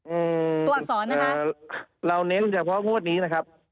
อืมตัวอักษรนะคะเราเน้นเฉพาะงวดนี้นะครับ